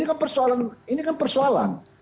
ini kan persoalan